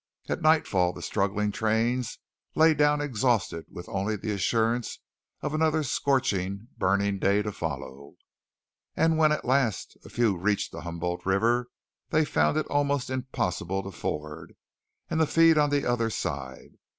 At nightfall the struggling trains lay down exhausted with only the assurance of another scorching, burning day to follow. And when at last a few reached the Humboldt River, they found it almost impossible to ford and the feed on the other side.